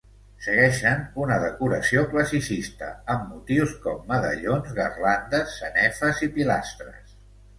Segueixen una decoració classicista amb motius com medallons, garlandes, sanefes i pilastres.